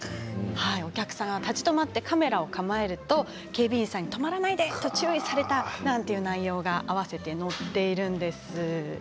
お客さんが立ち止まってカメラを構えると警備員さんに止まらないで！と注意されたなんて内容が併せて載っているんですね。